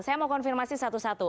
saya mau konfirmasi satu satu